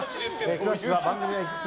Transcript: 詳しくは番組Ｘ